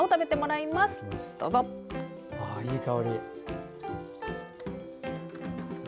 いい香り！